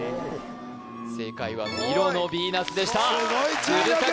正解はミロのヴィーナスでした鶴崎